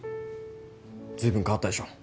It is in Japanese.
随分変わったでしょ